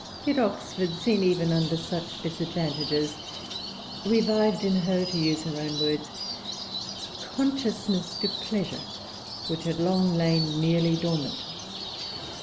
Yet Oxford, seen even under such disadvantages, "revived in her," to use her own words, "a consciousness to pleasure which had long lain nearly dormant."